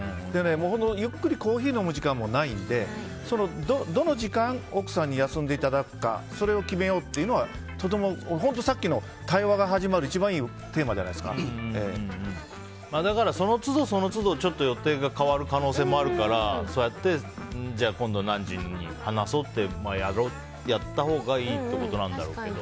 ゆっくりコーヒー飲む時間もないのでどの時間奥さんに休んでいただくかそれを決めようというのは本当、さっきの会話が始まるだから、その都度予定が変わる可能性もあるからそうやって、じゃあ今度は何時に話そうってやったほうがいいってことなんだろうけど。